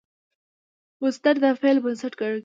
مصدر د فعل بنسټ ګڼل کېږي.